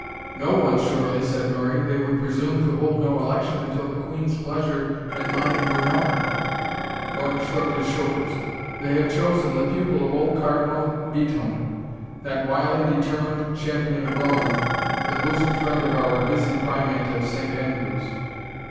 "No one surely," said Murray; "they would presume to hold no election until the Queen's pleasure and mine were known?" Morton shrugged his shoulders "They have chosen the pupil of old Cardinal Beatoun, that wily determined champion of Rome, the bosom friend of our busy Primate of Saint Andrews.